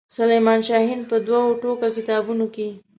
سلما شاهین په دوو ټوکه کتابونو کې.